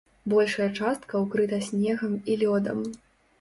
Большая частка ўкрыта снегам і лёдам.